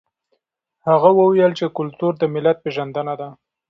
هغه وویل چې کلتور د ملت پېژندنه ده.